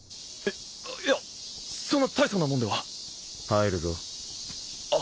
いいやそんな大層なもんでは入るぞあっ